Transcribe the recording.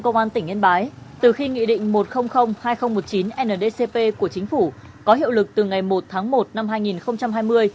công an tỉnh yên bái từ khi nghị định một trăm linh hai nghìn một mươi chín ndcp của chính phủ có hiệu lực từ ngày một tháng một năm hai nghìn hai mươi